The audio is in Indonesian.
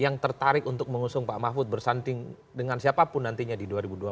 yang tertarik untuk mengusung pak mahfud bersanding dengan siapapun nantinya di dua ribu dua puluh